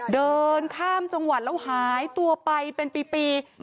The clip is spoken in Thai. เดินข้ามจังหวัดแล้วหายตัวไปเป็นปี